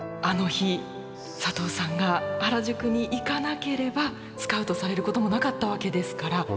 あの日佐藤さんが原宿に行かなければスカウトされることもなかったわけですから。